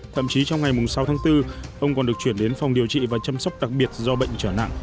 thậm chí trong ngày sáu tháng bốn ông còn được chuyển đến phòng điều trị và chăm sóc đặc biệt do bệnh trở nặng